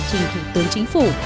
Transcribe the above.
trên thủ tướng chính phủ